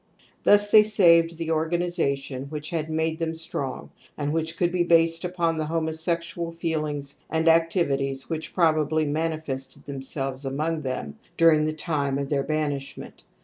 Thus they saved the organization which had made them strong and which could be based upon the homo sexual feelings and activities which pro bably manifested themselves among them dur ing the time of their banishment.